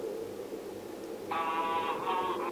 د خاوند او ميرمني پلانونه باید سره ټکر نه وي.